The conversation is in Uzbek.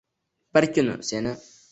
Bir kun seni